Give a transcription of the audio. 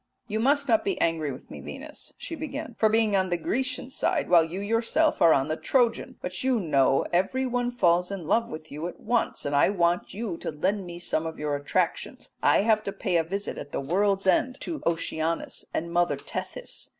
"'You must not be angry with me, Venus,' she began, 'for being on the Grecian side while you are yourself on the Trojan; but you know every one falls in love with you at once, and I want you to lend me some of your attractions. I have to pay a visit at the world's end to Oceanus and Mother Tethys.